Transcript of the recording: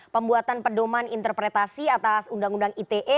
pembuatan pedoman interpretasi atas undang undang ite